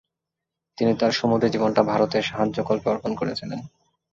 তিনি তাঁর সমুদয় জীবনটা ভারতের সাহায্যকল্পে অর্পণ করেছিলেন।